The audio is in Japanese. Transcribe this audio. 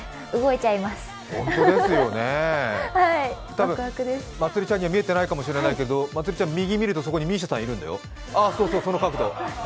たぶん、まつりちゃんには見えてないかもしれないけど、まつりちゃん、右を見るとそこにＭＩＳＩＡさんいるんだよ、その角度。